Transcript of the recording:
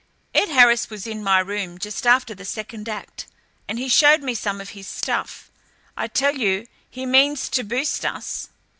Ed Harris was in my room just after the second act, and he showed me some of his stuff. I tell you he means to boost us."